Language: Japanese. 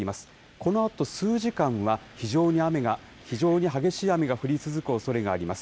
このあと数時間は、非常に激しい雨が降り続くおそれがあります。